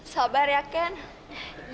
sabar ya kenny